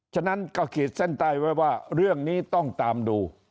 ฉะนั้นก็ขีดเส้นใต้ไว้ว่าเรื่องนี้ต้องตามดู